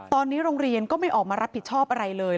ตอนนี้โรงเรียนก็ไม่ออกมารับผิดชอบอะไรเลย